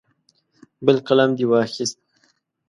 بل قلم دې واخیست.